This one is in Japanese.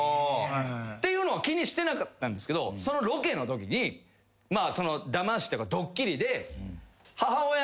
っていうのは気にしてなかったんですけどそのロケのときにドッキリで。